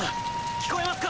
聞こえますか？